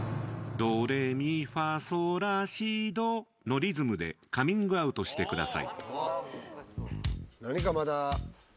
「ドレミファソラシド」のリズムでカミングアウトしてください。